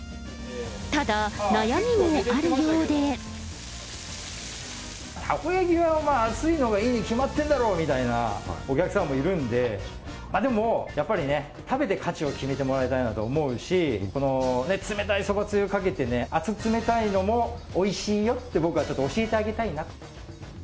たこ焼きは熱いのがいいに決まってるだろみたいなお客さんもいるんで、でもやっぱりね、食べて価値を決めてもらいたいと思うし、このね、冷たいそばつゆかけてね、熱冷たいのもおいしいよって、僕はちょっと教えてあげ